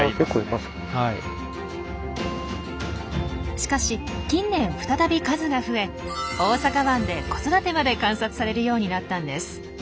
しかし近年再び数が増え大阪湾で子育てまで観察されるようになったんです。